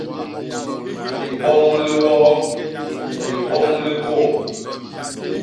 Liboñ li woo, liboñ li kôô.